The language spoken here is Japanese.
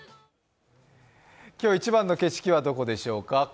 今日一番の景色はどこでしょうか？